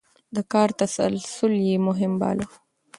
د کار تسلسل يې مهم باله.